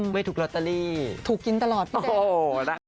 ไม่ถูกลอตเตอรี่ถูกกินตลอดพี่แจ๊ก